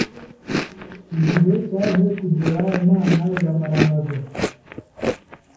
Igihe cyaje kugera Imana iramaramaza